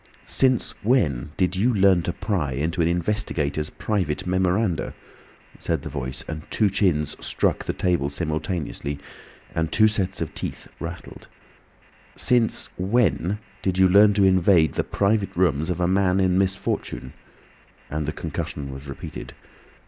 "Since when did you learn to pry into an investigator's private memoranda," said the Voice; and two chins struck the table simultaneously, and two sets of teeth rattled. "Since when did you learn to invade the private rooms of a man in misfortune?" and the concussion was repeated.